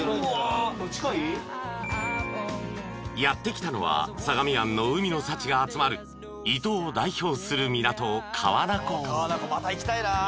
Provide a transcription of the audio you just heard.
［やって来たのは相模湾の海の幸が集まる伊東を代表する港］